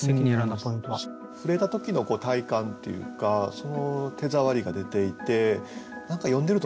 触れた時の体感っていうかその手触りが出ていて何か読んでるとね